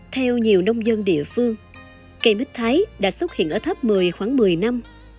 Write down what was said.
theo nhiều nông dân địa phương cây bích thái đã xuất hiện ở tháp mười khoảng một mươi năm